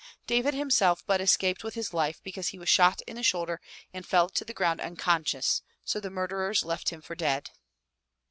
David himself but escaped with his life because he was shot in the shoulder and 174 FROM THE TOWER WINDOW fell to the ground unconscious, so the murderers left him for dead.